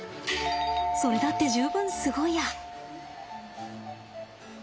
それだって十分すごいや。